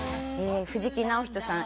藤木直人さん